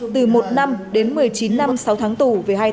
từ một năm đến một mươi chín năm sáu tháng tù